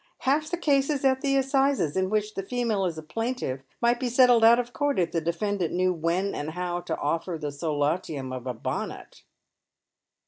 Half the cases at the assizes, in which the female is a plaintiff, might be settled out of court if the defendant knew when and how to offw the solatium of « bonnet."